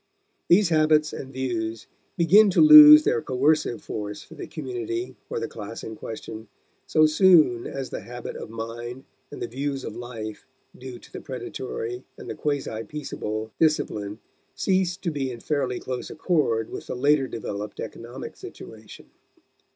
These habits and views begin to lose their coercive force for the community or the class in question so soon as the habit of mind and the views of life due to the predatory and the quasi peaceable discipline cease to be in fairly close accord with the later developed economic situation.